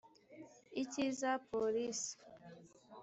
icy’iza police